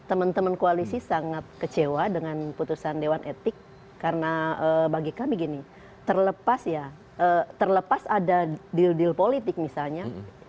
teman teman koalisi sangat kecewa dengan putusan dewan etik karena bagi kami gini terlepas ya terlepas ada deal deal politik misalnya